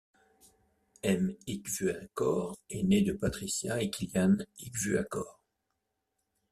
Eme Ikwuakor est né de Patricia et Killian Ikwuakor.